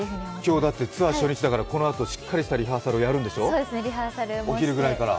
今日、ツアー初日だからこのあとしっかりとしたリハーサルやるんでしょ、お昼ぐらいから。